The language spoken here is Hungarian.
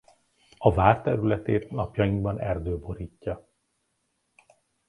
A vár területét napjainkban erdő borítja.